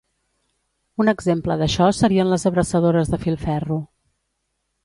Un exemple d'això serien les abraçadores de filferro.